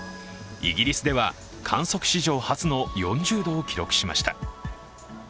イギリスでは観測史上初の４０度を記録しました。